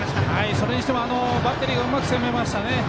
それにしてもバッテリーがうまく攻めましたね。